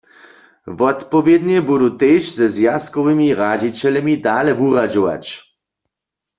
Wotpowědnje budu tež ze zwjazkowymi radźićelemi dale wuradźować.